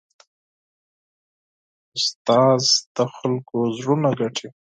استاد د خلکو زړونه ګټي.